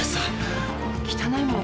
汚いもの